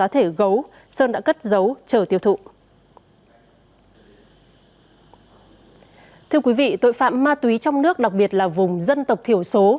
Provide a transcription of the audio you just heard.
thưa quý vị tội phạm ma túy trong nước đặc biệt là vùng dân tộc thiểu số